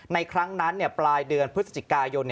ครั้งนั้นปลายเดือนพฤศจิกายน